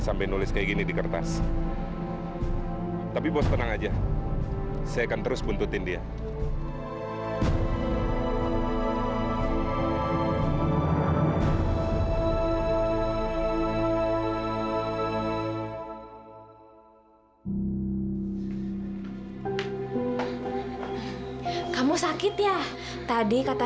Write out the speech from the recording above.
sampai jumpa di video selanjutnya